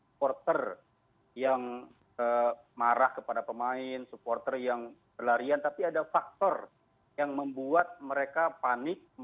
supporter yang marah kepada pemain supporter yang berlarian tapi ada faktor yang membuat mereka panik